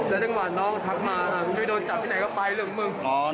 หลังจากน้องทักอย่างว่าไหนก็ไปเรื่องพี่มึง